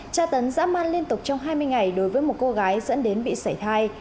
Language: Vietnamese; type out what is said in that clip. tra tấn dã man liên tục trong hai mươi ngày đối với một cô gái dẫn đến bị sảy thai